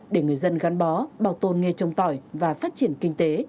để người dân gắn bó bảo tồn nghề trồng tỏi và phát triển kinh tế